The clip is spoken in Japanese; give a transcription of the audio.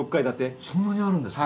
そんなにあるんですか？